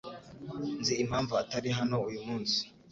Nzi impamvu atari hano uyu munsi.